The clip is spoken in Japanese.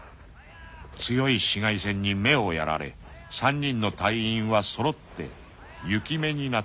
［強い紫外線に目をやられ３人の隊員はそろって雪眼になった］